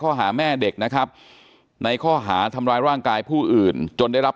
แม่เด็กนะครับในข้อหาทำร้ายร่างกายผู้อื่นจนได้รับ